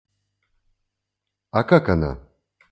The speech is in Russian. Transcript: А как она?